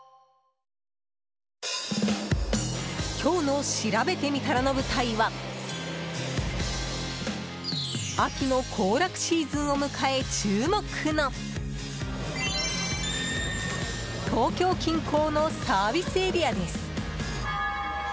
今日のしらべてみたらの舞台は秋の行楽シーズンを迎え、注目の東京近郊のサービスエリアです。